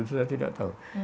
saya tidak tahu